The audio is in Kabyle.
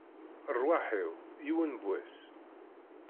Rrwaḥ-iw, yiwen n wass!